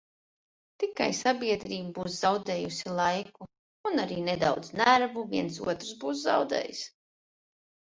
Tikai sabiedrība būs zaudējusi laiku, un arī nedaudz nervu viens otrs būs zaudējis.